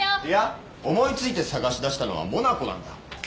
いや思い付いて捜しだしたのはモナコなんだ。